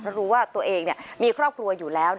เพราะรู้ว่าตัวเองมีครอบครัวอยู่แล้ว